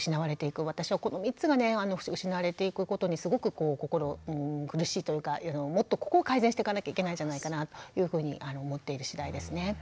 私はこの３つがね失われていくことにすごく心苦しいというかもっとここを改善していかなきゃいけないんじゃないかなというふうに思っている次第ですね。